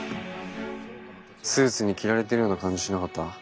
スーツに着られてるような感じしなかった？